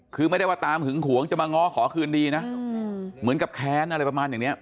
คือไม่ได้ว่าตามหึงหวงจะมาง้อขอคืนดีนะเหมือนกับแค้นอะไรประมาณอย่างเนี้ย